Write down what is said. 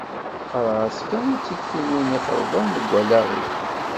Qqareɣ-as kan d tiktiwin i ixelḍen deg wallaɣ-iw.